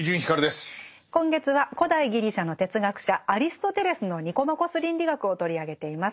今月は古代ギリシャの哲学者アリストテレスの「ニコマコス倫理学」を取り上げています。